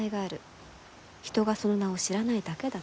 人がその名を知らないだけだと。